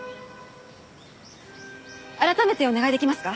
改めてお願いできますか？